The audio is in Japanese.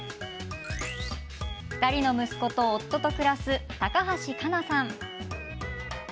２人の息子と夫と暮らす高橋加奈さん。